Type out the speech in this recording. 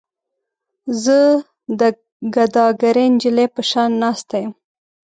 زه د ګداګرې نجلۍ په شان ناسته یم.